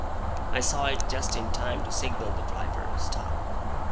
I saw it just in time to signal the driver, Stop!